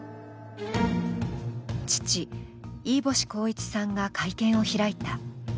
父、飯干晃一さんが会見を開いた。